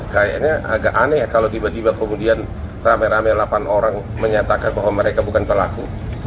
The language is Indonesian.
kayaknya agak aneh kalau tiba tiba kemudian rame rame delapan orang menyatakan bahwa mereka bukan pelaku